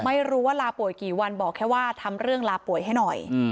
ไม่รู้ว่าลาป่วยกี่วันบอกแค่ว่าทำเรื่องลาป่วยให้หน่อย